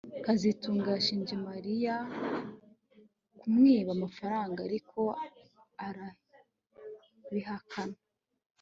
kazitunga yashinje Mariya kumwiba amafaranga ariko arabihakana